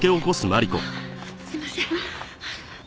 すいません。